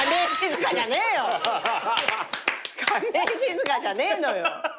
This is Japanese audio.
亀井静香じゃねぇのよ。